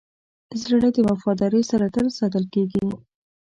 زړه د وفادارۍ سره تل ساتل کېږي.